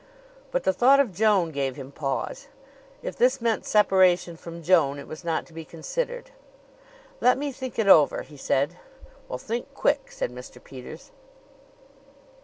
But the thought of Joan gave him pause. If this meant separation from Joan it was not to be considered. "Let me think it over," he said. "Well, think quick!" said Mr. Peters.